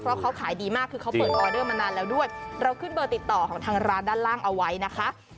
เพราะเขาขายดีมากคือเขาเปิดออเดอร์มานานแล้วด้วยเราขึ้นเบอร์ติดต่อของทางร้านด้านล่างเอาไว้นะคะ